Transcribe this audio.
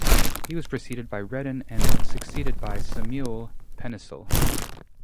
He was preceded by Redon and succeeded by Samuil Penissel.